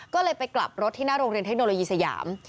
ก็เลยไปกลับรถที่หน้าโรงเรียนเทคโนโลยีสยาม